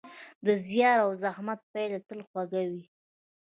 د زیار او زحمت پایله تل خوږه وي.